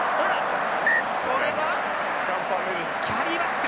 これはキャリーバックか。